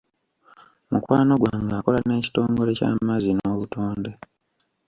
Mukwano gwange akola n'ekitongole ky'amazzi n'obutonde.